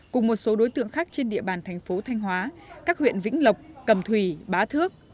cùng một số đối tượng khác trên địa bàn thành phố thanh hóa các huyện vĩnh lộc cầm thủy bá thước